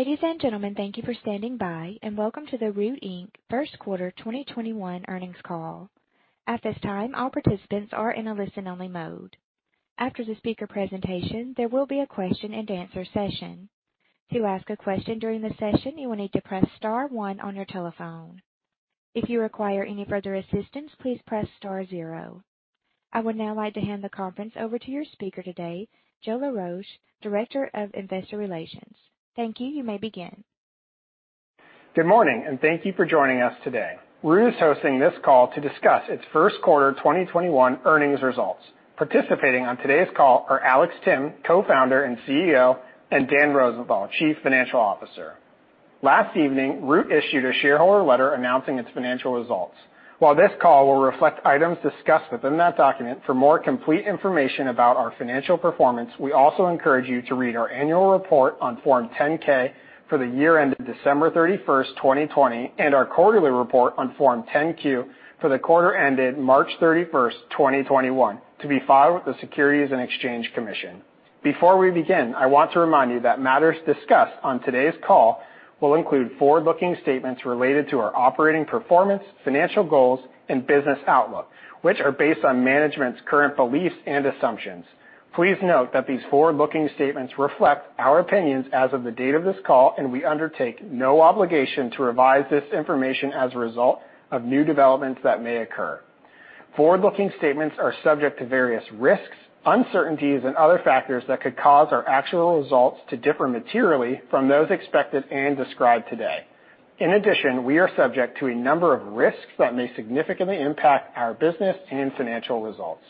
Ladies and gentlemen, thank you for standing by, and welcome to the Root, Inc. First Quarter 2021 Earnings Call. At this time, all participants are in a listen-only mode. After the speaker presentation, there will be a question and answer session. To ask a question during the session, you will need to press star one on your telephone. If you require any further assistance, please press star zero. I would now like to hand the conference over to your speaker today, Joe Laroche, Director of Investor Relations. Thank you. You may begin. Good morning, and thank you for joining us today. Root is hosting this call to discuss its first quarter 2021 earnings results. Participating on today's call are Alex Timm, Co-founder and CEO, and Dan Rosenthal, Chief Financial Officer. Last evening, Root issued a shareholder letter announcing its financial results. While this call will reflect items discussed within that document, for more complete information about our financial performance, we also encourage you to read our annual report on Form 10-K for the year ended December 31st, 2020, and our quarterly report on Form 10-Q for the quarter ended March 31st, 2021, to be filed with the Securities and Exchange Commission. Before we begin, I want to remind you that matters discussed on today's call will include forward-looking statements related to our operating performance, financial goals, and business outlook, which are based on management's current beliefs and assumptions. Please note that these forward-looking statements reflect our opinions as of the date of this call, and we undertake no obligation to revise this information as a result of new developments that may occur. Forward-looking statements are subject to various risks, uncertainties, and other factors that could cause our actual results to differ materially from those expected and described today. In addition, we are subject to a number of risks that may significantly impact our business and financial results.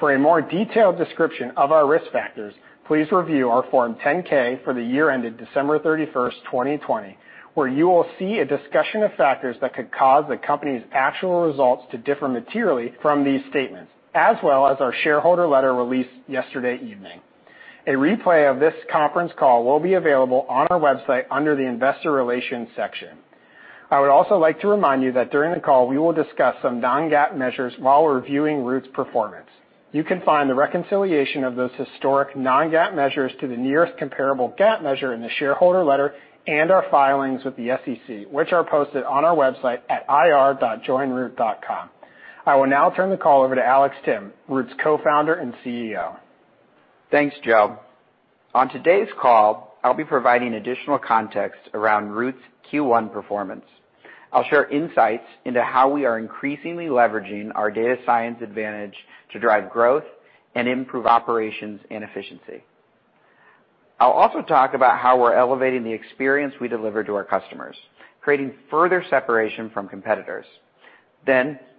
For a more detailed description of our risk factors, please review our Form 10-K for the year ended December 31st, 2020, where you will see a discussion of factors that could cause the company's actual results to differ materially from these statements, as well as our shareholder letter released yesterday evening. A replay of this conference call will be available on our website under the investor relations section. I would also like to remind you that during the call, we will discuss some non-GAAP measures while reviewing Root's performance. You can find the reconciliation of those historic non-GAAP measures to the nearest comparable GAAP measure in the shareholder letter and our filings with the SEC, which are posted on our website at ir.joinroot.com. I will now turn the call over to Alex Timm, Root's Co-founder and CEO. Thanks, Joe. On today's call, I'll be providing additional context around Root's Q1 performance. I'll share insights into how we are increasingly leveraging our data science advantage to drive growth and improve operations and efficiency. I'll also talk about how we're elevating the experience we deliver to our customers, creating further separation from competitors.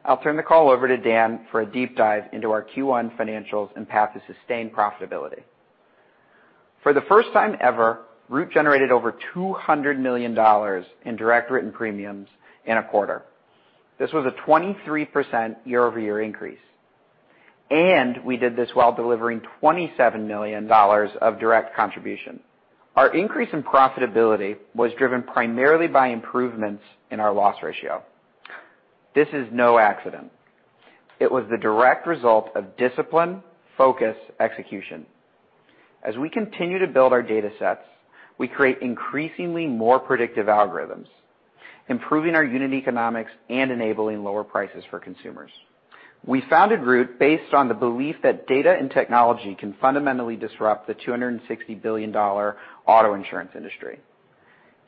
I'll turn the call over to Dan for a deep dive into our Q1 financials and path to sustained profitability. For the first time ever, Root generated over $200 million in direct written premiums in a quarter. This was a 23% year-over-year increase. We did this while delivering $27 million of direct contribution. Our increase in profitability was driven primarily by improvements in our loss ratio. This is no accident. It was the direct result of discipline, focus, execution. As we continue to build our data sets, we create increasingly more predictive algorithms, improving our unit economics and enabling lower prices for consumers. We founded Root based on the belief that data and technology can fundamentally disrupt the $260 billion auto insurance industry.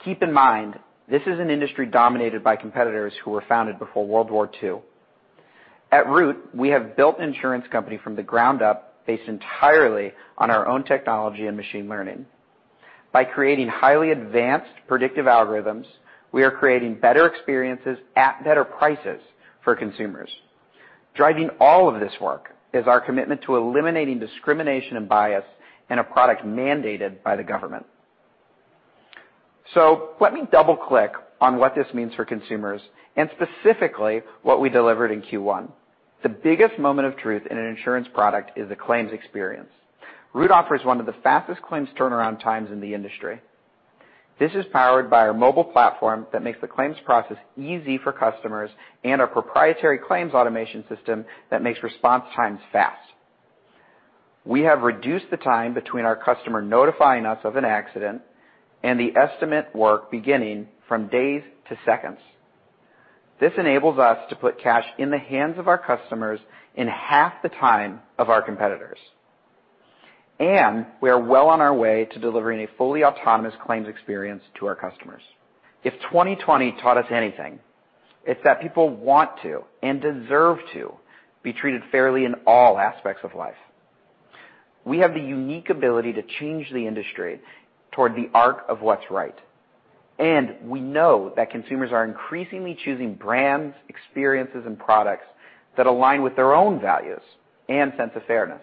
Keep in mind, this is an industry dominated by competitors who were founded before World War II. At Root, we have built an insurance company from the ground up based entirely on our own technology and machine learning. By creating highly advanced predictive algorithms, we are creating better experiences at better prices for consumers. Driving all of this work is our commitment to eliminating discrimination and bias in a product mandated by the government. Let me double-click on what this means for consumers, and specifically what we delivered in Q1. The biggest moment of truth in an insurance product is the claims experience. Root offers one of the fastest claims turnaround times in the industry. This is powered by our mobile platform that makes the claims process easy for customers and our proprietary claims automation system that makes response times fast. We have reduced the time between our customer notifying us of an accident and the estimate work beginning from days to seconds. This enables us to put cash in the hands of our customers in half the time of our competitors. We are well on our way to delivering a fully autonomous claims experience to our customers. If 2020 taught us anything, it's that people want to and deserve to be treated fairly in all aspects of life. We have the unique ability to change the industry toward the arc of what's right, and we know that consumers are increasingly choosing brands, experiences, and products that align with their own values and sense of fairness.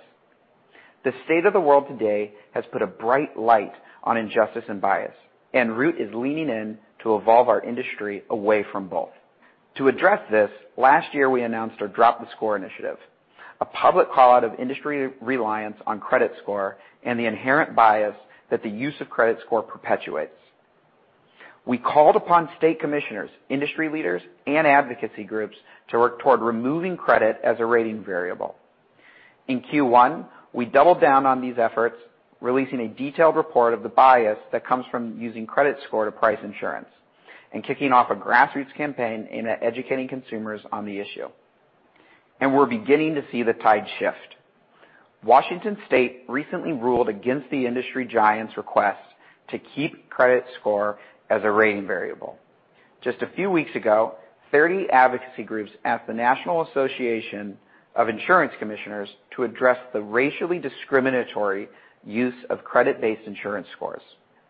The state of the world today has put a bright light on injustice and bias, and Root is leaning in to evolve our industry away from both. To address this, last year, we announced our Drop the Score initiative, a public call out of industry reliance on credit score and the inherent bias that the use of credit score perpetuates. We called upon state commissioners, industry leaders, and advocacy groups to work toward removing credit as a rating variable. In Q1, we doubled down on these efforts, releasing a detailed report of the bias that comes from using credit score to price insurance and kicking off a grassroots campaign aimed at educating consumers on the issue. We're beginning to see the tide shift. Washington State recently ruled against the industry giant's request to keep credit score as a rating variable. Just a few weeks ago, 30 advocacy groups asked the National Association of Insurance Commissioners to address the racially discriminatory use of credit-based insurance scores.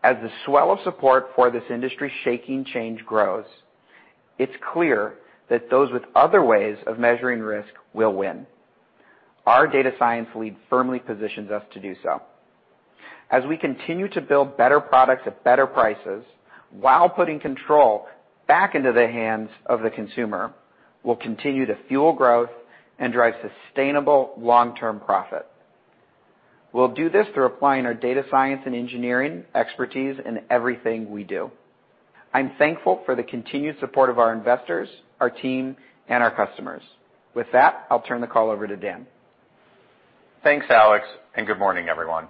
As the swell of support for this industry shaking change grows, it's clear that those with other ways of measuring risk will win. Our data science lead firmly positions us to do so. As we continue to build better products at better prices while putting control back into the hands of the consumer, we'll continue to fuel growth and drive sustainable long-term profit. We'll do this through applying our data science and engineering expertise in everything we do. I'm thankful for the continued support of our investors, our team, and our customers. With that, I'll turn the call over to Dan. Thanks, Alex. Good morning, everyone.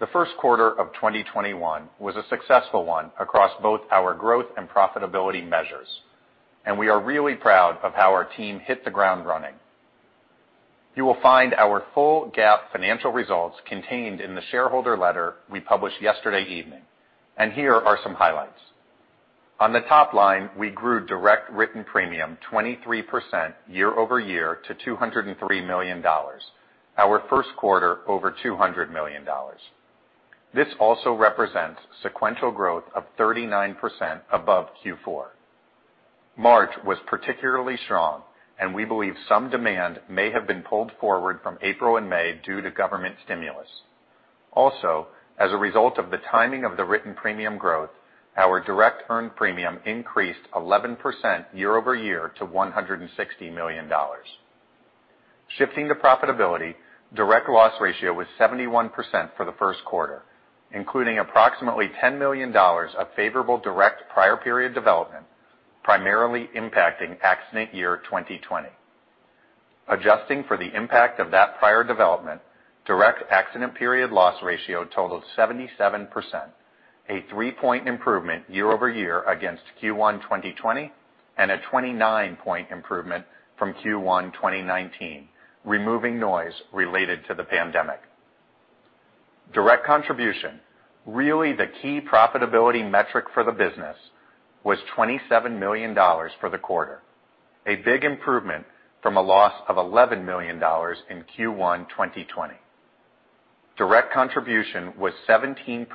The first quarter of 2021 was a successful one across both our growth and profitability measures. We are really proud of how our team hit the ground running. You will find our full GAAP financial results contained in the shareholder letter we published yesterday evening. Here are some highlights. On the top line, we grew direct written premium 23% year-over-year to $203 million. Our first quarter over $200 million. This also represents sequential growth of 39% above Q4. March was particularly strong. We believe some demand may have been pulled forward from April and May due to government stimulus. Also, as a result of the timing of the written premium growth, our direct earned premium increased 11% year-over-year to $160 million. Shifting to profitability, direct loss ratio was 71% for the first quarter, including approximately $10 million of favorable direct prior period development, primarily impacting accident year 2020. Adjusting for the impact of that prior development, direct accident period loss ratio totaled 77%, a three-point improvement year-over-year against Q1 2020 and a 29-point improvement from Q1 2019, removing noise related to the pandemic. Direct contribution, really the key profitability metric for the business, was $27 million for the quarter, a big improvement from a loss of $11 million in Q1 2020. Direct contribution was 17%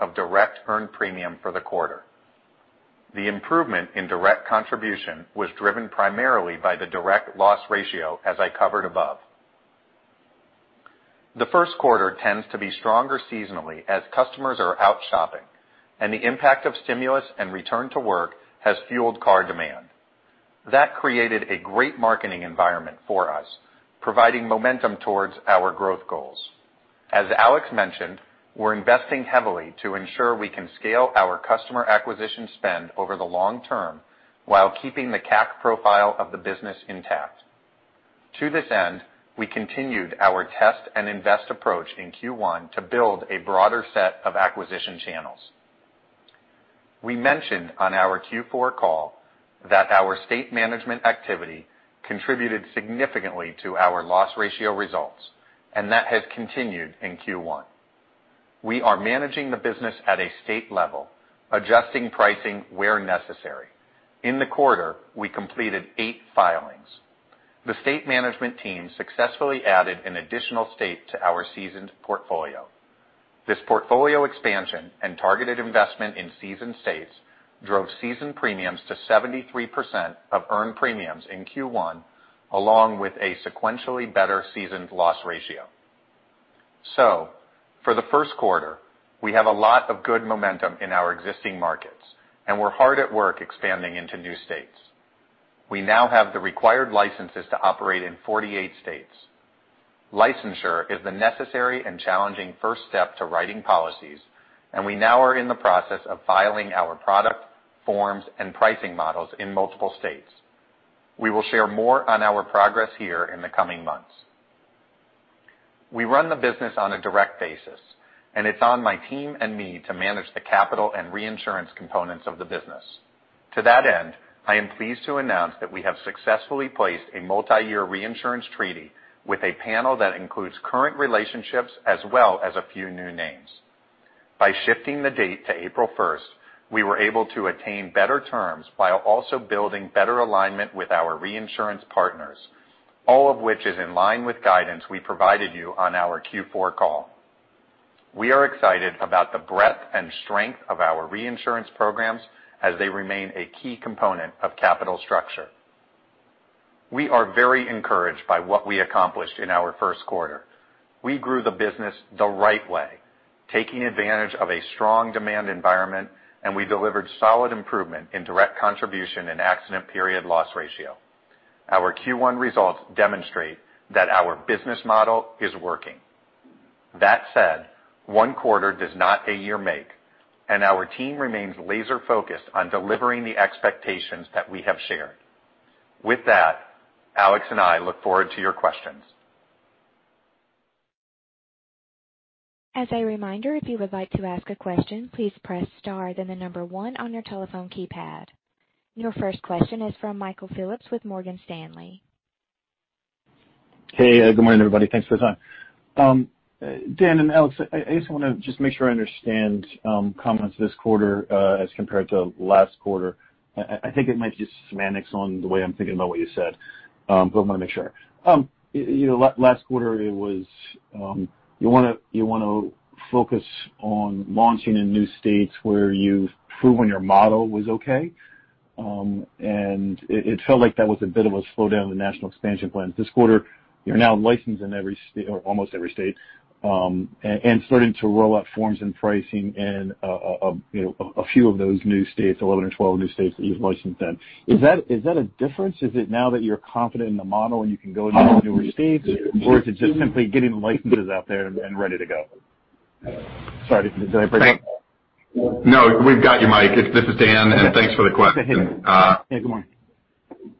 of direct earned premium for the quarter. The improvement in direct contribution was driven primarily by the direct loss ratio, as I covered above. The first quarter tends to be stronger seasonally as customers are out shopping, and the impact of stimulus and return to work has fueled car demand. That created a great marketing environment for us, providing momentum towards our growth goals. As Alex mentioned, we're investing heavily to ensure we can scale our customer acquisition spend over the long term while keeping the CAC profile of the business intact. To this end, we continued our test and invest approach in Q1 to build a broader set of acquisition channels. We mentioned on our Q4 call that our state management activity contributed significantly to our loss ratio results, and that has continued in Q1. We are managing the business at a state level, adjusting pricing where necessary. In the quarter, we completed eight filings. The state management team successfully added an additional state to our seasoned portfolio. This portfolio expansion and targeted investment in seasoned states drove seasoned premiums to 73% of earned premiums in Q1, along with a sequentially better seasoned loss ratio. For the first quarter, we have a lot of good momentum in our existing markets, and we're hard at work expanding into new states. We now have the required licenses to operate in 48 states. Licensure is the necessary and challenging first step to writing policies, and we now are in the process of filing our product, forms, and pricing models in multiple states. We will share more on our progress here in the coming months. We run the business on a direct basis, and it's on my team and me to manage the capital and reinsurance components of the business. To that end, I am pleased to announce that we have successfully placed a multi-year reinsurance treaty with a panel that includes current relationships as well as a few new names. By shifting the date to April 1st, we were able to attain better terms while also building better alignment with our reinsurance partners, all of which is in line with guidance we provided you on our Q4 call. We are excited about the breadth and strength of our reinsurance programs as they remain a key component of capital structure. We are very encouraged by what we accomplished in our first quarter. We grew the business the right way, taking advantage of a strong demand environment, and we delivered solid improvement in direct contribution and accident period loss ratio. Our Q1 results demonstrate that our business model is working. That said, one quarter does not a year make, and our team remains laser-focused on delivering the expectations that we have shared. With that, Alex and I look forward to your questions. As a reminder, if you would like to ask a question, please press star, then the number one on your telephone keypad. Your first question is from Michael Phillips with Morgan Stanley. Hey, good morning, everybody. Thanks for the time. Dan and Alex, I just want to make sure I understand comments this quarter, as compared to last quarter. I think it might be just semantics on the way I'm thinking about what you said, but I want to make sure. Last quarter it was, you want to focus on launching in new states where you've proven your model was okay. It felt like that was a bit of a slowdown in the national expansion plans. This quarter, you're now licensed in every state, or almost every state, and starting to roll out forms and pricing in a few of those new states, 11 or 12 new states that you've licensed in. Is that a difference? Is it now that you're confident in the model and you can go into newer states, or is it just simply getting the licenses out there and ready to go? Sorry, did I break up? No, we've got you, Mike. This is Dan, and thanks for the question. Yeah. Good morning.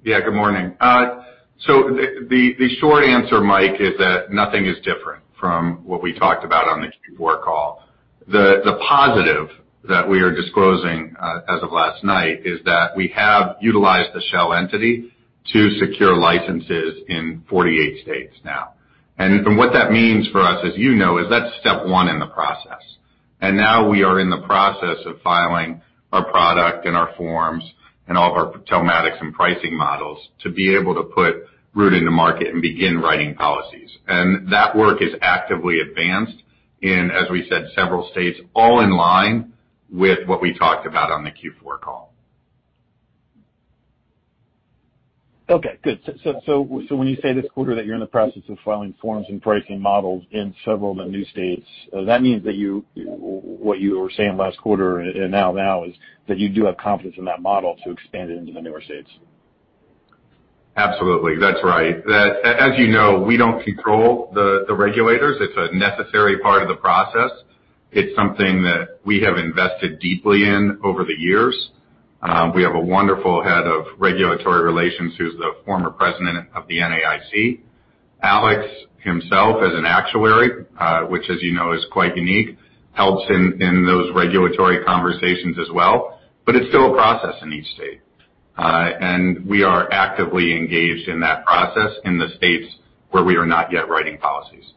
Yeah, good morning. The short answer, Mike, is that nothing is different from what we talked about on the Q4 call. The positive that we are disclosing, as of last night, is that we have utilized the shell entity to secure licenses in 48 states now. What that means for us, as you know, is that's step one in the process. Now we are in the process of filing our product and our forms and all of our telematics and pricing models to be able to put Root in the market and begin writing policies. That work is actively advanced in, as we said, several states, all in line with what we talked about on the Q4 call. Okay, good. When you say this quarter that you're in the process of filing forms and pricing models in several of the new states, that means that what you were saying last quarter and now is that you do have confidence in that model to expand it into the newer states? Absolutely. That's right. As you know, we don't control the regulators. It's a necessary part of the process. It's something that we have invested deeply in over the years. We have a wonderful head of regulatory relations who's the former president of the NAIC. Alex himself is an actuary, which as you know is quite unique, helps in those regulatory conversations as well. It's still a process in each state. We are actively engaged in that process in the states where we are not yet writing policies.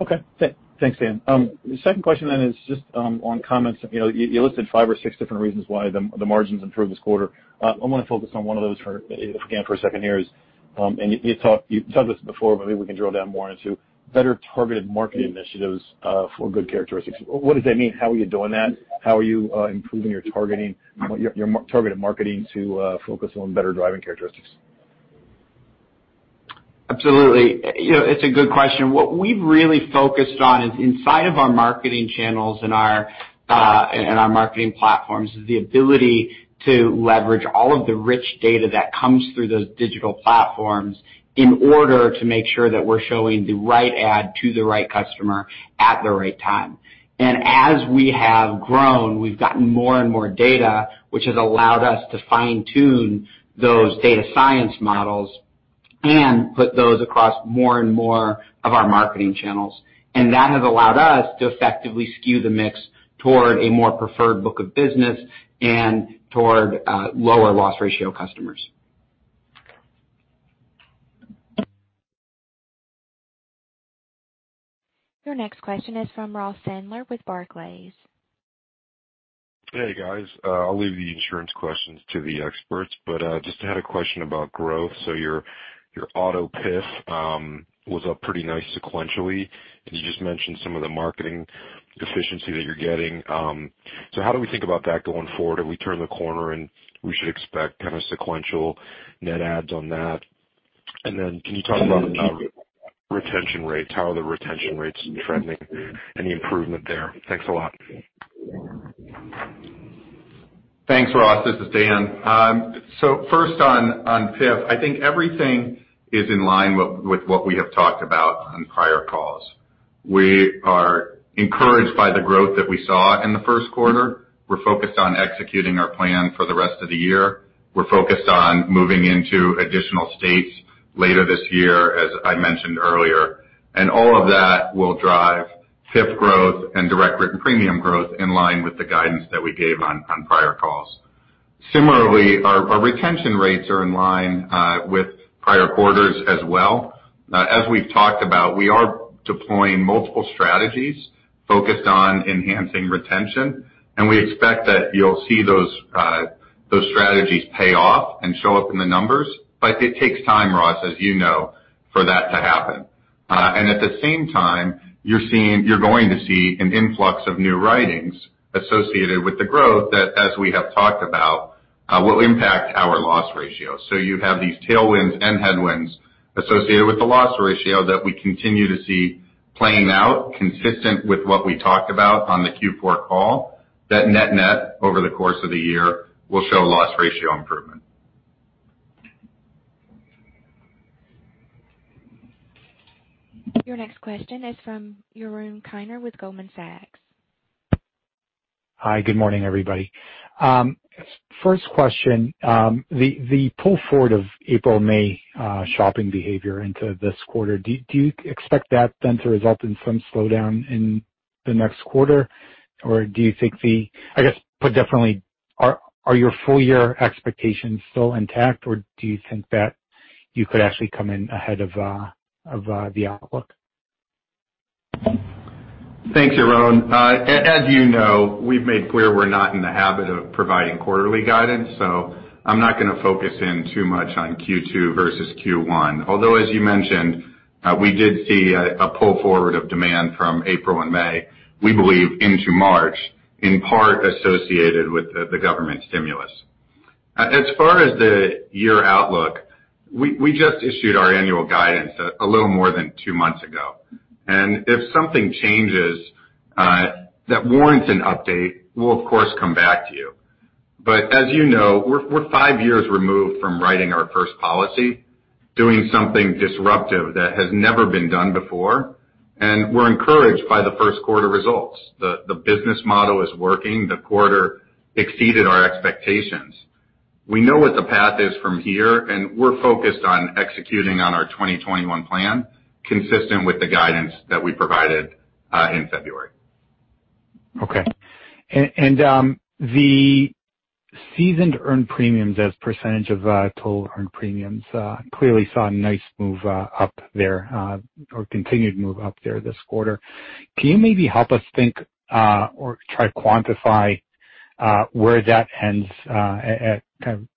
Okay. Thanks, Dan. The second question is just on comments. You listed five or six different reasons why the margins improved this quarter. I want to focus on one of those, if we can for a second here is, and you've said this before, but maybe we can drill down more into better targeted marketing initiatives for good characteristics. What does that mean? How are you doing that? How are you improving your targeted marketing to focus on better driving characteristics? Absolutely. It's a good question. What we've really focused on is inside of our marketing channels and our marketing platforms, is the ability to leverage all of the rich data that comes through those digital platforms in order to make sure that we're showing the right ad to the right customer at the right time. As we have grown, we've gotten more and more data, which has allowed us to fine-tune those data science models and put those across more and more of our marketing channels. That has allowed us to effectively skew the mix toward a more preferred book of business and toward lower loss ratio customers. Your next question is from Ross Sandler with Barclays. Hey, guys. I'll leave the insurance questions to the experts, but just had a question about growth. Your auto PIF was up pretty nice sequentially, and you just mentioned some of the marketing efficiency that you're getting. How do we think about that going forward? Have we turned the corner and we should expect kind of sequential net adds on that? Can you talk about retention rates? How are the retention rates trending, any improvement there? Thanks a lot. Thanks, Ross. This is Dan. First on PIF, I think everything is in line with what we have talked about on prior calls. We are encouraged by the growth that we saw in the first quarter. We're focused on executing our plan for the rest of the year. We're focused on moving into additional states later this year, as I mentioned earlier, and all of that will drive PIF growth and direct written premium growth in line with the guidance that we gave on prior calls. Similarly, our retention rates are in line with prior quarters as well. As we've talked about, we are deploying multiple strategies focused on enhancing retention, and we expect that you'll see those strategies pay off and show up in the numbers. It takes time, Ross, as you know, for that to happen. At the same time, you're going to see an influx of new writings associated with the growth that, as we have talked about, will impact our loss ratio. You have these tailwinds and headwinds associated with the loss ratio that we continue to see playing out consistent with what we talked about on the Q4 call, that net over the course of the year will show loss ratio improvement. Your next question is from Yaron Kinar with Goldman Sachs. Hi, good morning, everybody. First question, the pull forward of April, May shopping behavior into this quarter, do you expect that then to result in some slowdown in the next quarter? Are your full year expectations still intact, or do you think that you could actually come in ahead of the outlook? Thanks, Yaron. As you know, we've made clear we're not in the habit of providing quarterly guidance. I'm not going to focus in too much on Q2 versus Q1. Although, as you mentioned, we did see a pull forward of demand from April and May, we believe into March, in part associated with the government stimulus. As far as the year outlook, we just issued our annual guidance a little more than two months ago. If something changes that warrants an update, we'll of course, come back to you. As you know, we're five years removed from writing our first policy, doing something disruptive that has never been done before, and we're encouraged by the first quarter results. The business model is working. The quarter exceeded our expectations. We know what the path is from here, and we're focused on executing on our 2021 plan, consistent with the guidance that we provided in February. Okay. The seasoned earned premiums as a percentage of total earned premiums clearly saw a nice move up there, or continued move up there this quarter. Can you maybe help us think or try to quantify where that ends at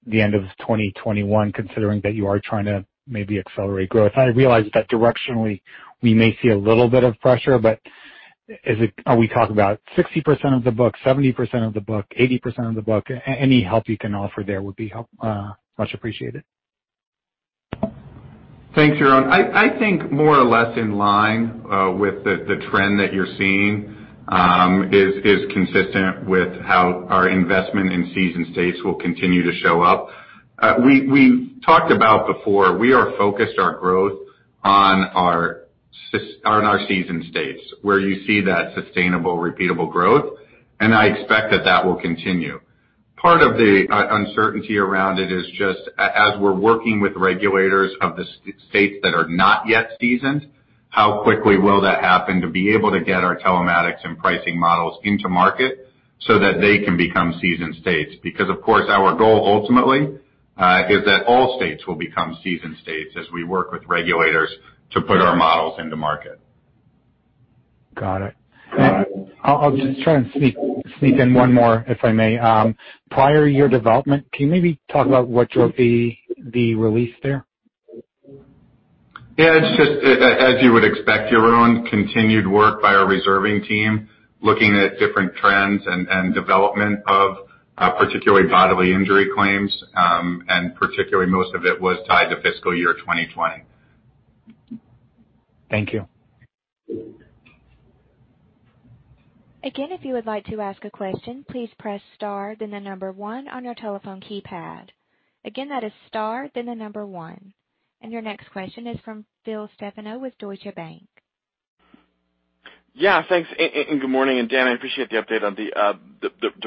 the end of 2021, considering that you are trying to maybe accelerate growth? I realize that directionally we may see a little bit of pressure, but are we talking about 60% of the book, 70% of the book, 80% of the book? Any help you can offer there would be much appreciated. Thanks, Yaron. I think more or less in line with the trend that you're seeing is consistent with how our investment in seasoned states will continue to show up. We've talked about before, we are focused our growth on our seasoned states, where you see that sustainable, repeatable growth, and I expect that that will continue. Part of the uncertainty around it is just as we're working with regulators of the states that are not yet seasoned, how quickly will that happen to be able to get our telematics and pricing models into market so that they can become seasoned states. Because, of course, our goal ultimately is that all states will become seasoned states as we work with regulators to put our models into market. Got it. I'll just try and sneak in one more, if I may. Prior Year Development, can you maybe talk about what your release there? Yeah, it's just as you would expect, Yaron, continued work by our reserving team, looking at different trends and development of particularly bodily injury claims, particularly most of it was tied to fiscal year 2020. Thank you. Your next question is from Phil Stefano with Deutsche Bank. Yeah, thanks, and good morning. Dan, I appreciate the update on the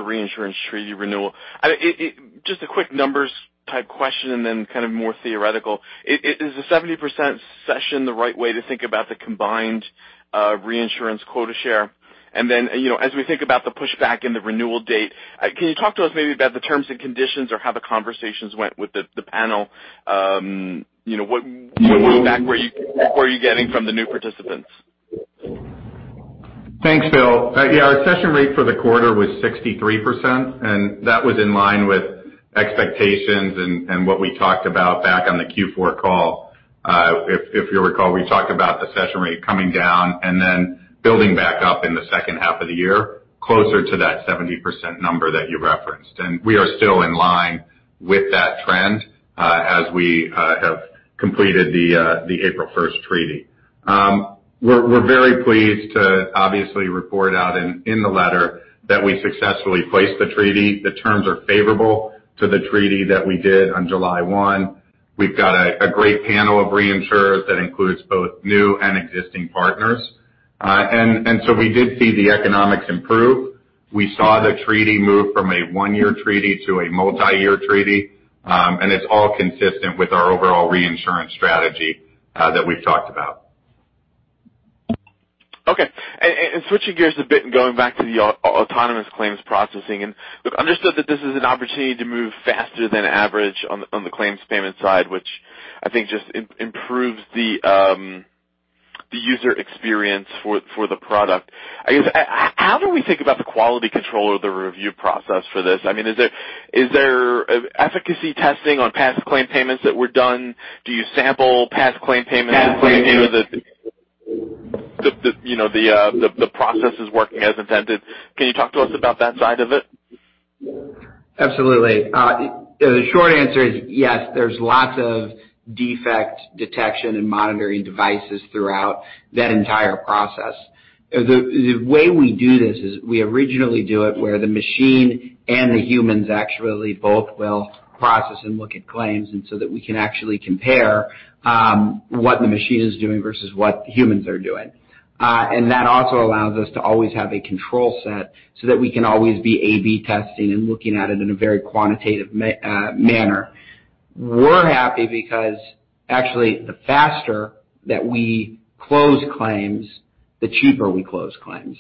reinsurance treaty renewal. Just a quick numbers type question and then kind of more theoretical. Is a 70% cession the right way to think about the combined reinsurance quota share? Then, as we think about the pushback in the renewal date, can you talk to us maybe about the terms and conditions or how the conversations went with the panel? What pushback were you getting from the new participants? Thanks, Phil. Yeah, our cession rate for the quarter was 63%, and that was in line with expectations and what we talked about back on the Q4 call. If you'll recall, we talked about the cession rate coming down and then building back up in the second half of the year, closer to that 70% number that you referenced. We are still in line with that trend as we have completed the April 1st treaty. We're very pleased to obviously report out in the letter that we successfully placed the treaty. The terms are favorable to the treaty that we did on July 1. We've got a great panel of reinsurers that includes both new and existing partners. We did see the economics improve. We saw the treaty move from a one-year treaty to a multi-year treaty, and it's all consistent with our overall reinsurance strategy that we've talked about. Okay. Switching gears a bit and going back to the autonomous claims processing. Look, understood that this is an opportunity to move faster than average on the claims payment side, which I think just improves the user experience for the product. I guess, how do we think about the quality control or the review process for this? I mean, is there efficacy testing on past claim payments that were done? Do you sample past claim payments to make sure that the process is working as intended? Can you talk to us about that side of it? Absolutely. The short answer is yes, there's lots of defect detection and monitoring devices throughout that entire process. The way we do this is we originally do it where the machine and the humans actually both will process and look at claims, and so that we can actually compare what the machine is doing versus what humans are doing. That also allows us to always have a control set so that we can always be A/B testing and looking at it in a very quantitative manner. We're happy because actually, the faster that we close claims, the cheaper we close claims.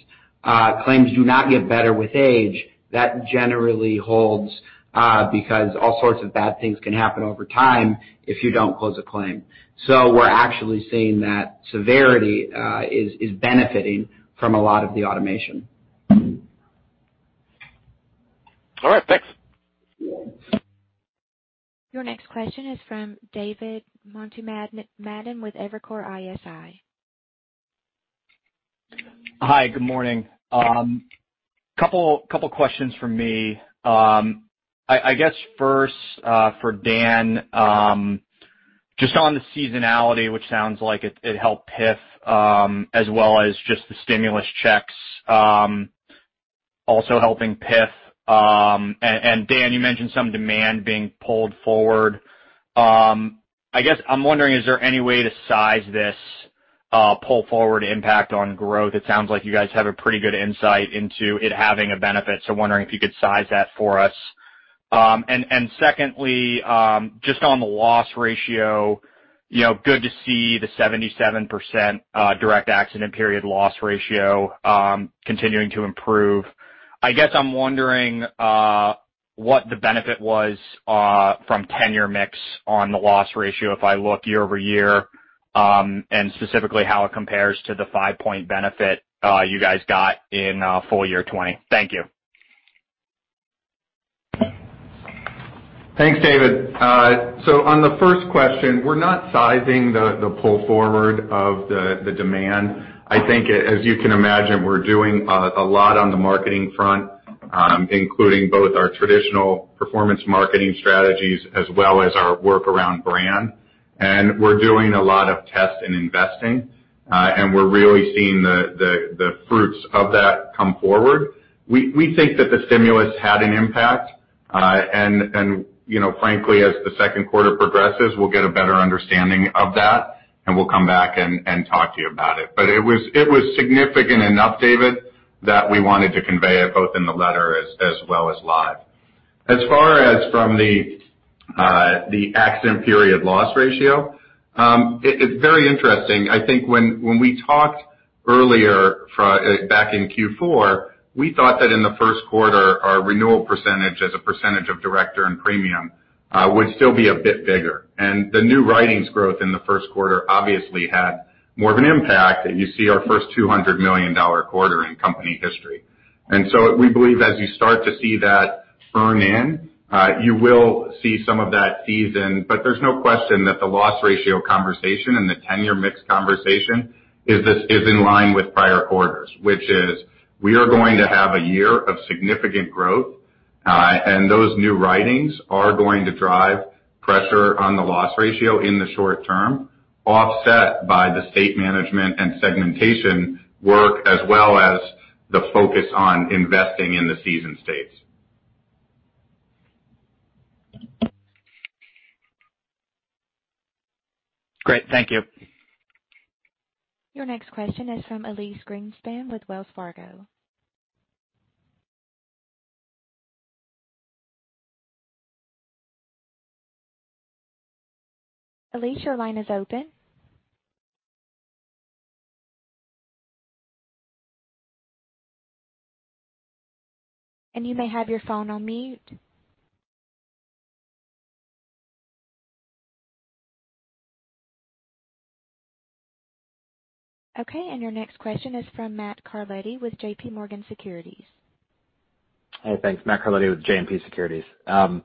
Claims do not get better with age. That generally holds because all sorts of bad things can happen over time if you don't close a claim. We're actually seeing that severity is benefiting from a lot of the automation. All right. Thanks. Your next question is from David Motemaden with Evercore ISI. Hi, good morning. Couple of questions from me. I guess first, for Dan, just on the seasonality, which sounds like it helped PIF as well as just the stimulus checks also helping PIF. Dan, you mentioned some demand being pulled forward. I guess I'm wondering, is there any way to size this pull-forward impact on growth? It sounds like you guys have a pretty good insight into it having a benefit, so wondering if you could size that for us. Secondly, just on the loss ratio, good to see the 77% direct accident period loss ratio continuing to improve. I guess I'm wondering what the benefit was from tenure mix on the loss ratio if I look year-over-year, and specifically how it compares to the five-point benefit you guys got in full year 2020. Thank you. Thanks, David. On the first question, we're not sizing the pull forward of the demand. I think as you can imagine, we're doing a lot on the marketing front, including both our traditional performance marketing strategies as well as our workaround brand. We're doing a lot of tests and investing, and we're really seeing the fruits of that come forward. We think that the stimulus had an impact. Frankly, as the second quarter progresses, we'll get a better understanding of that, and we'll come back and talk to you about it. It was significant enough, David, that we wanted to convey it both in the letter as well as live. As far as from the accident period loss ratio, it's very interesting. I think when we talked earlier back in Q4, we thought that in the first quarter, our renewal percentage as a percentage of direct earned premium would still be a bit bigger. The new writings growth in the first quarter obviously had more of an impact, and you see our first $200 million quarter in company history. We believe as you start to see that earn in, you will see some of that season, but there's no question that the loss ratio conversation and the tenure mix conversation is in line with prior quarters. Which is, we are going to have a year of significant growth, and those new writings are going to drive pressure on the loss ratio in the short term, offset by the state management and segmentation work, as well as the focus on investing in the season states. Great. Thank you. Your next question is from Elyse Greenspan with Wells Fargo. Elyse, your line is open. You may have your phone on mute. Your next question is from Matt Carletti with JMP Securities. Hey, thanks. Matt Carletti with JMP Securities. I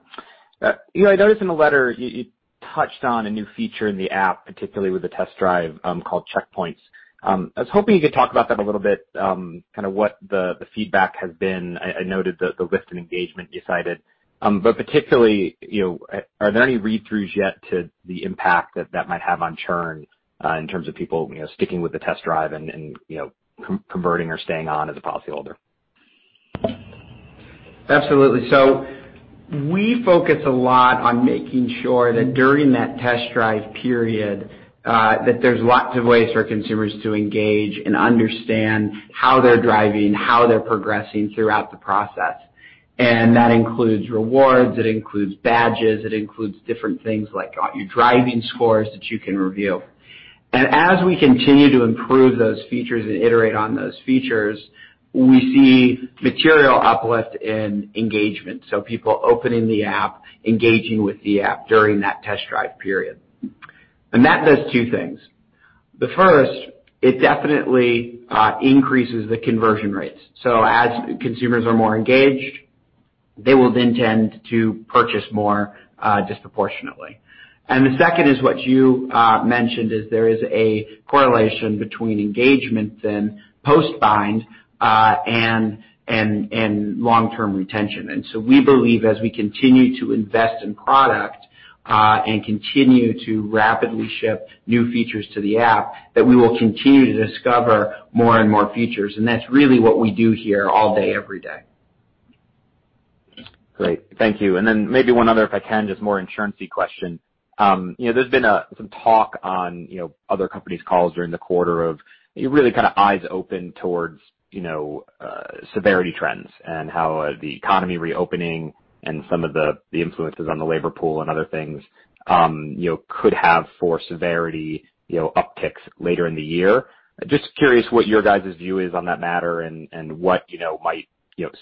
noticed in the letter you touched on a new feature in the app, particularly with the test drive, called Checkpoints. I was hoping you could talk about that a little bit, what the feedback has been. I noted the lift in engagement you cited. Particularly, are there any read-throughs yet to the impact that that might have on churn in terms of people sticking with the test drive and converting or staying on as a policyholder? Absolutely. We focus a lot on making sure that during that test drive period, that there's lots of ways for consumers to engage and understand how they're driving, how they're progressing throughout the process. That includes rewards, it includes badges, it includes different things like your driving scores that you can review. As we continue to improve those features and iterate on those features, we see material uplift in engagement. People opening the app, engaging with the app during that test drive period. That does two things. The first, it definitely increases the conversion rates. As consumers are more engaged, they will then tend to purchase more disproportionately. The second is what you mentioned, is there is a correlation between engagement then post-bind, and long-term retention. We believe as we continue to invest in product, and continue to rapidly ship new features to the app, that we will continue to discover more and more features. That's really what we do here all day, every day. Great. Thank you. Maybe one other, if I can, just more insurancy question. There's been some talk on other companies' calls during the quarter of really kind of eyes open towards severity trends and how the economy reopening and some of the influences on the labor pool and other things could have for severity upticks later in the year. Just curious what your guys' view is on that matter and what might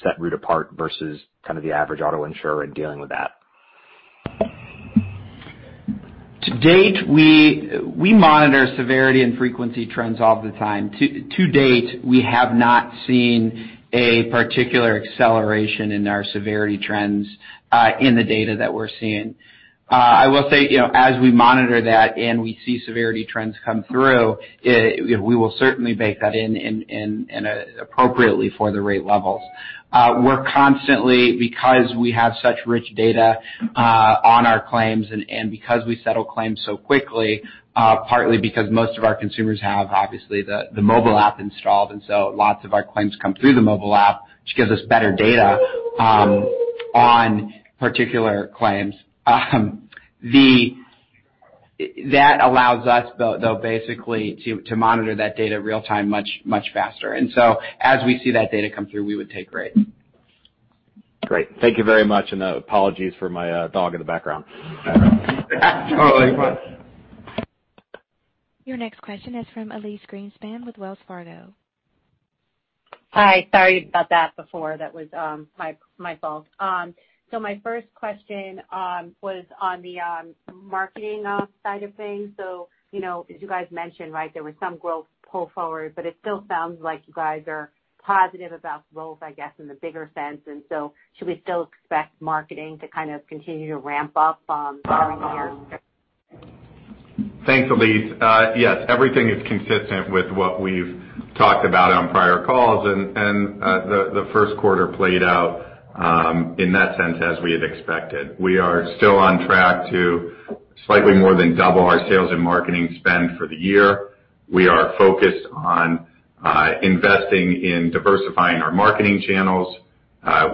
set Root apart versus kind of the average auto insurer in dealing with that. To date, we monitor severity and frequency trends all the time. To date, we have not seen a particular acceleration in our severity trends in the data that we're seeing. I will say, as we monitor that and we see severity trends come through, we will certainly bake that in appropriately for the rate levels. We're constantly, because we have such rich data on our claims and because we settle claims so quickly, partly because most of our consumers have, obviously, the mobile app installed, lots of our claims come through the mobile app, which gives us better data on particular claims. That allows us, though, basically, to monitor that data real-time much faster. As we see that data come through, we would take rate. Great. Thank you very much, and apologies for my dog in the background. Oh, no worries. Your next question is from Elyse Greenspan with Wells Fargo. Hi. Sorry about that before. That was my fault. My first question was on the marketing side of things. As you guys mentioned, right, there was some growth pull forward, but it still sounds like you guys are positive about growth, I guess, in the bigger sense. Should we still expect marketing to kind of continue to ramp up during the year? Thanks, Elyse. Yes, everything is consistent with what we've talked about on prior calls. The first quarter played out in that sense as we had expected. We are still on track to slightly more than double our sales and marketing spend for the year. We are focused on investing in diversifying our marketing channels.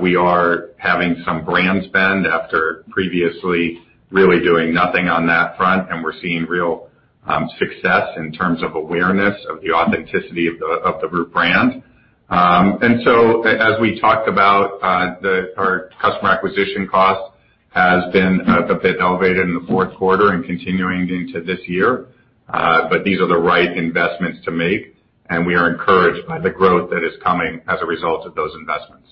We are having some brand spend after previously really doing nothing on that front, and we're seeing real success in terms of awareness of the authenticity of the Root brand. As we talked about, our customer acquisition cost has been a bit elevated in the fourth quarter and continuing into this year. These are the right investments to make, and we are encouraged by the growth that is coming as a result of those investments.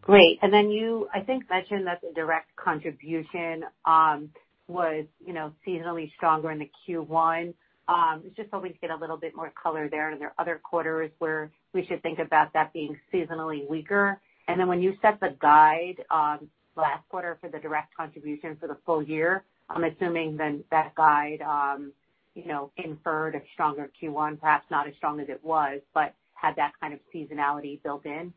Great. You, I think, mentioned that the direct contribution was seasonally stronger in the Q1. Just helping to get a little bit more color there. Are there other quarters where we should think about that being seasonally weaker? When you set the guide last quarter for the direct contribution for the full year, I'm assuming then that guide inferred a stronger Q1, perhaps not as strong as it was, but had that kind of seasonality built in.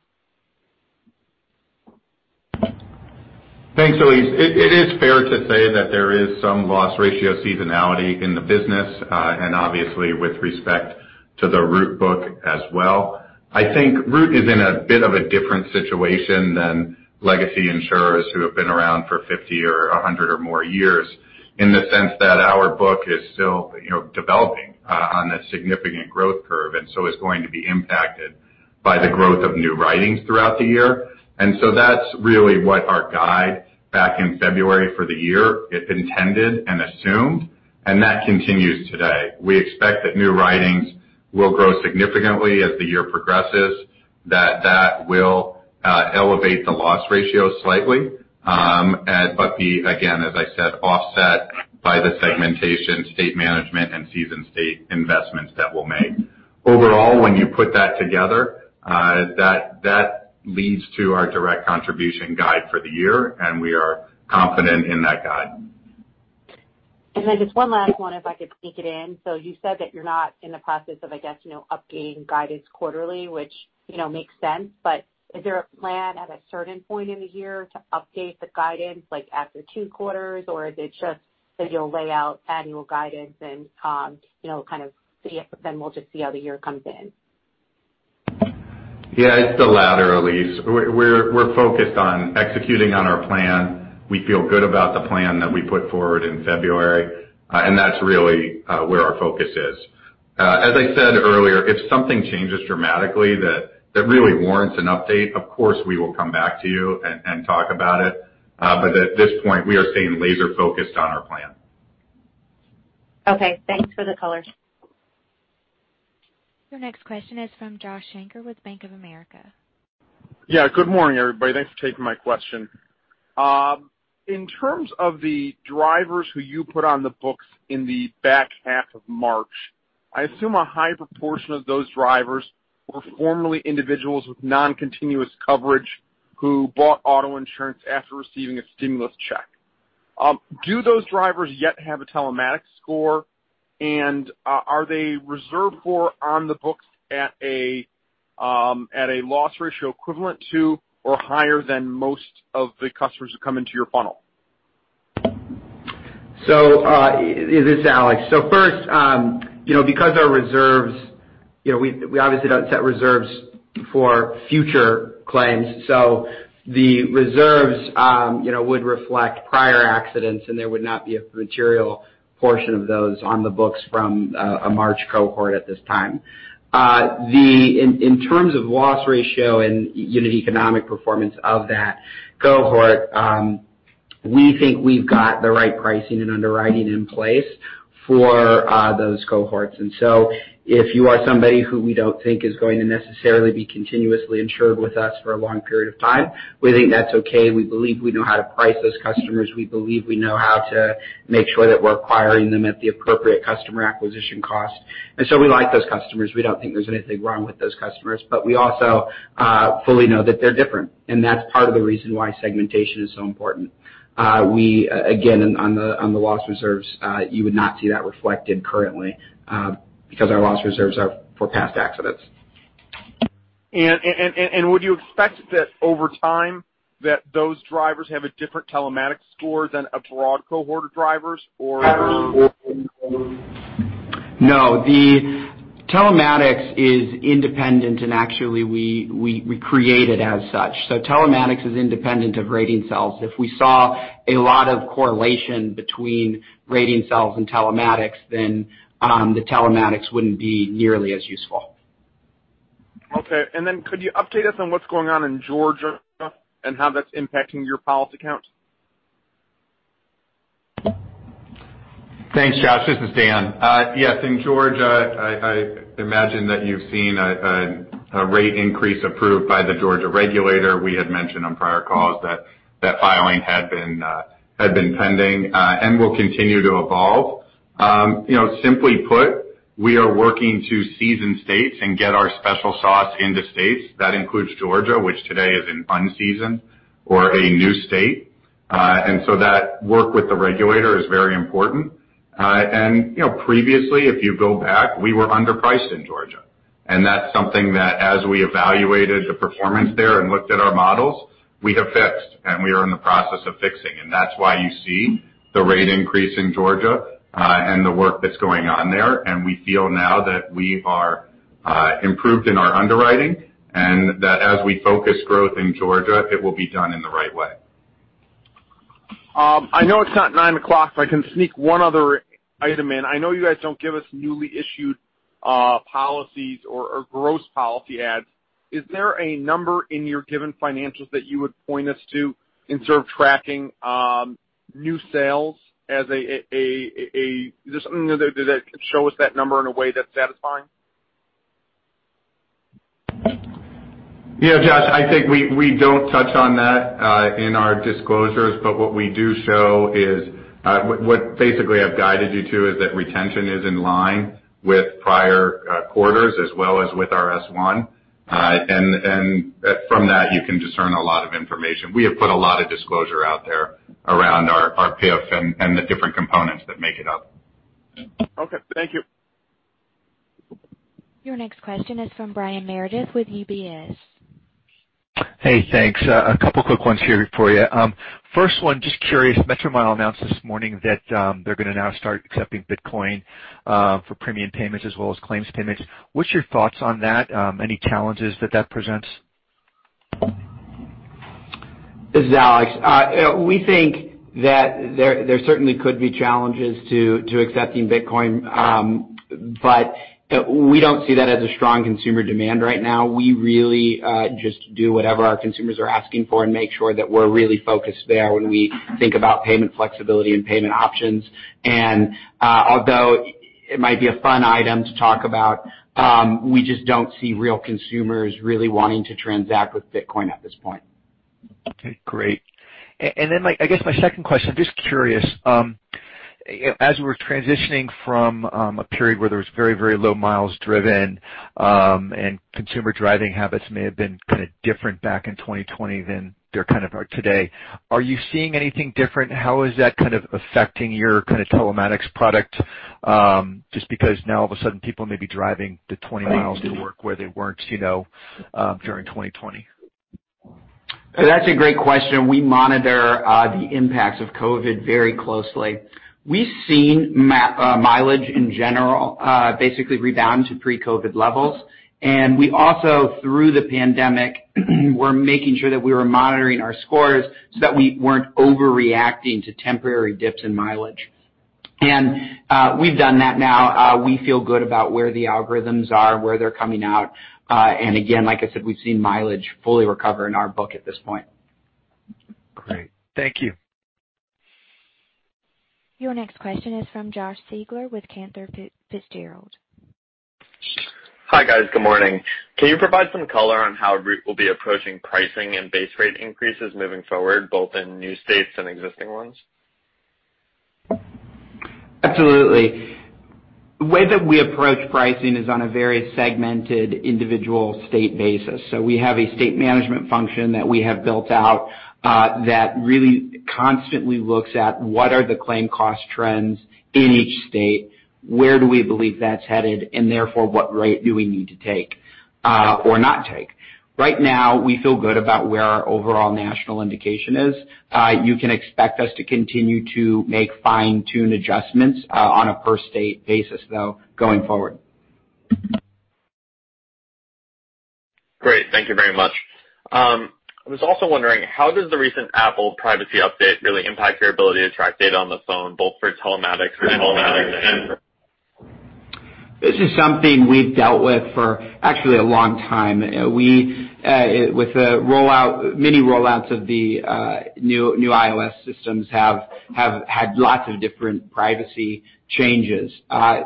Thanks, Elyse. It is fair to say that there is some loss ratio seasonality in the business, and obviously, with respect to the Root book as well. I think Root is in a bit of a different situation than legacy insurers who have been around for 50 or 100 or more years, in the sense that our book is still developing on this significant growth curve, and so is going to be impacted by the growth of new writings throughout the year. That's really what our guide back in February for the year intended and assumed, and that continues today. We expect that new writings will grow significantly as the year progresses, that that will elevate the loss ratio slightly. Be, again, as I said, offset by the segmentation, state management, and season state investments that we'll make. Overall, when you put that together, that leads to our direct contribution guide for the year, and we are confident in that guide. Just one last one, if I could sneak it in. You said that you're not in the process of, I guess, updating guidance quarterly, which makes sense. Is there a plan at a certain point in the year to update the guidance, like after two quarters? Is it just that you'll lay out annual guidance and kind of see if then we'll just see how the year comes in? Yeah, it's the latter, Elyse. We're focused on executing on our plan. We feel good about the plan that we put forward in February. That's really where our focus is. As I said earlier, if something changes dramatically that really warrants an update, of course, we will come back to you and talk about it. But at this point, we are staying laser-focused on our plan. Okay. Thanks for the color. Your next question is from Joshua Shanker with Bank of America. Yeah, good morning, everybody. Thanks for taking my question. In terms of the drivers who you put on the books in the back half of March, I assume a high proportion of those drivers were formerly individuals with non-continuous coverage who bought auto insurance after receiving a stimulus check. Do those drivers yet have a telematics score? Are they reserved for on the books at a loss ratio equivalent to or higher than most of the customers who come into your funnel? This is Alex. First, because our reserves, we obviously don't set reserves for future claims. The reserves would reflect prior accidents, and there would not be a material portion of those on the books from a March cohort at this time. In terms of loss ratio and unit economic performance of that cohort, we think we've got the right pricing and underwriting in place for those cohorts. If you are somebody who we don't think is going to necessarily be continuously insured with us for a long period of time, we think that's okay. We believe we know how to price those customers. We believe we know how to make sure that we're acquiring them at the appropriate customer acquisition cost. We like those customers. We don't think there's anything wrong with those customers. We also fully know that they're different, and that's part of the reason why segmentation is so important. Again, on the loss reserves, you would not see that reflected currently because our loss reserves are for past accidents. Would you expect that over time, that those drivers have a different telematics score than a broad cohort of drivers, or no? No. The telematics is independent, actually, we create it as such. Telematics is independent of rating cells. If we saw a lot of correlation between rating cells and telematics, the telematics wouldn't be nearly as useful. Okay. Could you update us on what's going on in Georgia and how that's impacting your policy count? Thanks, Josh. This is Dan. Yes, in Georgia, I imagine that you've seen a rate increase approved by the Georgia regulator. We had mentioned on prior calls that that filing had been pending and will continue to evolve. Simply put, we are working to season states and get our special sauce into states. That includes Georgia, which today is an unseasoned or a new state. That work with the regulator is very important. Previously, if you go back, we were underpriced in Georgia. That's something that as we evaluated the performance there and looked at our models, we have fixed, and we are in the process of fixing. That's why you see the rate increase in Georgia and the work that's going on there. We feel now that we are improved in our underwriting and that as we focus growth in Georgia, it will be done in the right way. I know it's not nine o'clock, so I can sneak one other item in. I know you guys don't give us newly issued policies or gross policy adds. Is there a number in your given financials that you would point us to in sort of tracking new sales? Is there something that could show us that number in a way that's satisfying? Yeah, Josh, I think we don't touch on that in our disclosures. What we do show is, what basically I've guided you to is that retention is in line with prior quarters as well as with our S-1. From that, you can discern a lot of information. We have put a lot of disclosure out there around our PIF and the different components that make it up. Okay. Thank you. Your next question is from Brian Meredith with UBS. Hey, thanks. A couple quick ones here for you. First one, just curious, Metromile announced this morning that they're going to now start accepting Bitcoin for premium payments as well as claims payments. What's your thoughts on that? Any challenges that that presents? This is Alex. We think that there certainly could be challenges to accepting Bitcoin, we don't see that as a strong consumer demand right now. We really just do whatever our consumers are asking for and make sure that we're really focused there when we think about payment flexibility and payment options. Although it might be a fun item to talk about, we just don't see real consumers really wanting to transact with Bitcoin at this point. Okay. Great. I guess my second question, just curious, as we're transitioning from a period where there was very low miles driven and consumer driving habits may have been different back in 2020 than they are today. Are you seeing anything different? How is that affecting your telematics product just because now all of a sudden people may be driving the 20 miles to work where they weren't during 2020? That's a great question. We monitor the impacts of COVID very closely. We've seen mileage in general basically rebound to pre-COVID levels. We also, through the pandemic, were making sure that we were monitoring our scores so that we weren't overreacting to temporary dips in mileage. We've done that now. We feel good about where the algorithms are and where they're coming out. Again, like I said, we've seen mileage fully recover in our book at this point. Great. Thank you. Your next question is from Josh Siegler with Cantor Fitzgerald. Hi, guys. Good morning. Can you provide some color on how Root will be approaching pricing and base rate increases moving forward, both in new states and existing ones? Absolutely. The way that we approach pricing is on a very segmented individual state basis. We have a state management function that we have built out that really constantly looks at what are the claim cost trends in each state, where do we believe that's headed, and therefore, what rate do we need to take or not take. Right now, we feel good about where our overall national indication is. You can expect us to continue to make fine-tune adjustments on a per state basis, though, going forward. Great. Thank you very much. I was also wondering, how does the recent Apple privacy update really impact your ability to track data on the phone, both for telematics and? This is something we've dealt with for actually a long time. With many rollouts of the new iOS systems have had lots of different privacy changes.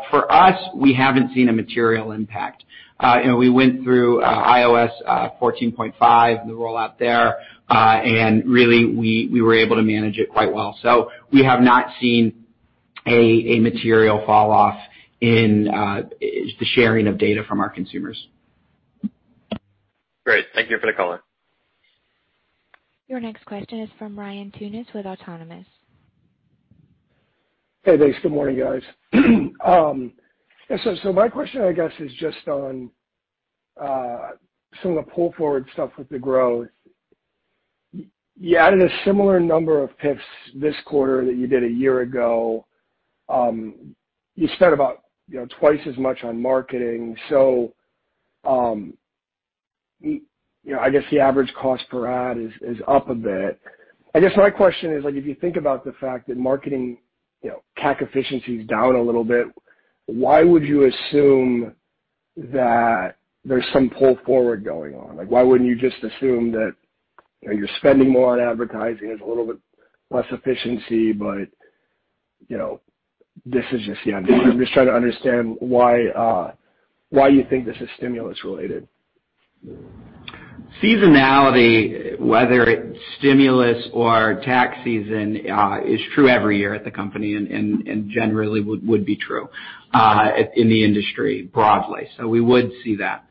For us, we haven't seen a material impact. We went through iOS 14.5, the rollout there, and really, we were able to manage it quite well. We have not seen a material fall off in the sharing of data from our consumers. Great. Thank you for the color. Your next question is from Ryan Tunis with Autonomous Research. Hey, thanks. Good morning, guys. My question, I guess, is just on some of the pull forward stuff with the growth. You added a similar number of PIFs this quarter that you did a year ago. You spent about twice as much on marketing. I guess the average cost per ad is up a bit. I guess my question is, if you think about the fact that marketing CAC efficiency is down a little bit, why would you assume that there's some pull forward going on? Why wouldn't you just assume that you're spending more on advertising, there's a little bit less efficiency, but this is just the ongoing. I'm just trying to understand why you think this is stimulus related. Seasonality, whether it's stimulus or tax season, is true every year at the company and generally would be true in the industry broadly. We would see that.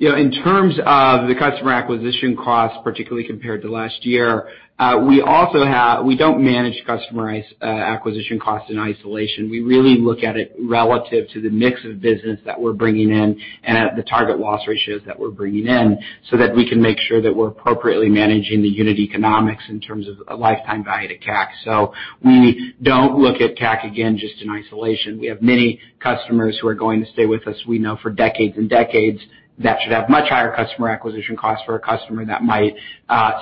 In terms of the customer acquisition cost, particularly compared to last year, we don't manage customer acquisition cost in isolation. We really look at it relative to the mix of business that we're bringing in and the target loss ratios that we're bringing in so that we can make sure that we're appropriately managing the unit economics in terms of lifetime value to CAC. We don't look at CAC, again, just in isolation. We have many customers who are going to stay with us, we know, for decades and decades that should have much higher customer acquisition costs for a customer that might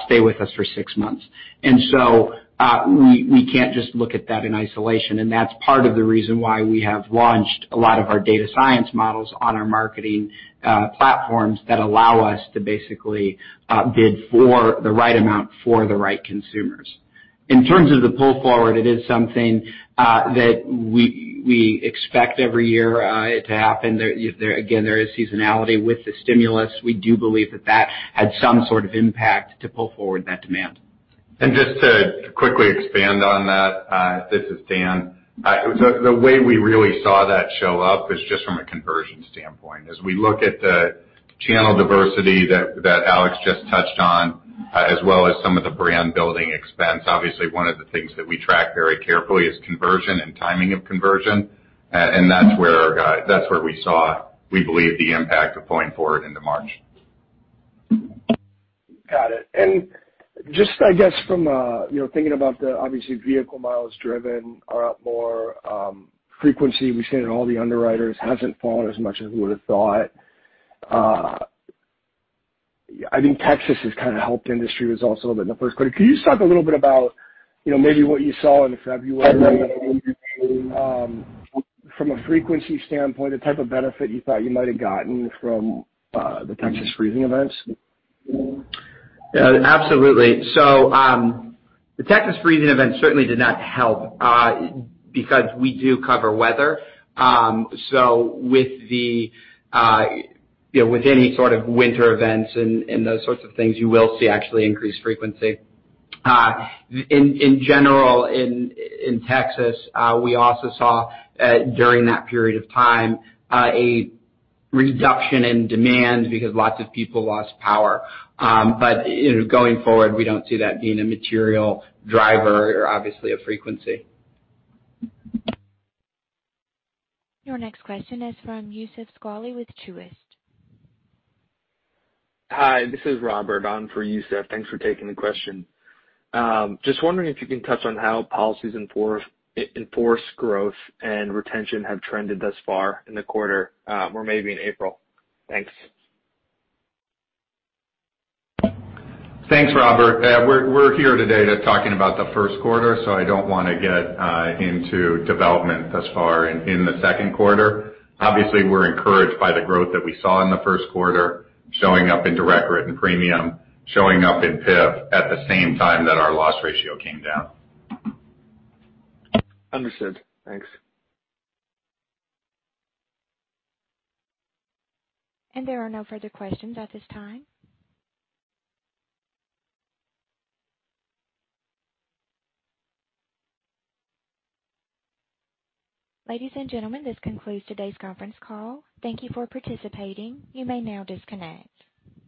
stay with us for six months. We can't just look at that in isolation, and that's part of the reason why we have launched a lot of our data science models on our marketing platforms that allow us to basically bid for the right amount for the right consumers. In terms of the pull forward, it is something that we expect every year to happen. Again, there is seasonality with the stimulus. We do believe that that had some sort of impact to pull forward that demand. Just to quickly expand on that, this is Dan. The way we really saw that show up is just from a conversion standpoint. As we look at the channel diversity that Alex just touched on, as well as some of the brand-building expense, obviously one of the things that we track very carefully is conversion and timing of conversion. That's where we saw, we believe, the impact of pulling forward into March. Got it. I guess from thinking about the, obviously, vehicle miles driven are up more. Frequency, we've seen in all the underwriters hasn't fallen as much as we would've thought. I think Texas has helped the industry was also a bit in the first quarter. Can you just talk a little bit about maybe what you saw in February from a frequency standpoint, the type of benefit you thought you might have gotten from the Texas freezing events? Yeah, absolutely. The Texas freezing event certainly did not help because we do cover weather. With any sort of winter events and those sorts of things, you will see actually increased frequency. In general, in Texas, we also saw, during that period of time, a reduction in demand because lots of people lost power. Going forward, we don't see that being a material driver or obviously a frequency. Your next question is from Youssef Squali with Truist. Hi, this is Robert on for Youssef. Thanks for taking the question. Just wondering if you can touch on how policies in force growth and retention have trended thus far in the quarter, or maybe in April? Thanks. Thanks, Robert. We're here today talking about the first quarter. I don't want to get into development thus far in the second quarter. Obviously, we're encouraged by the growth that we saw in the first quarter, showing up in direct written premium, showing up in PIF at the same time that our loss ratio came down. Understood. Thanks. There are no further questions at this time. Ladies and gentlemen, this concludes today's conference call. Thank you for participating. You may now disconnect.